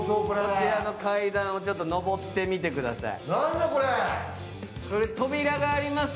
こちらの階段をちょっと上ってみてください。